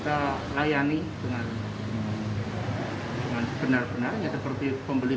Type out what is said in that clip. telah ketulis dari sekolah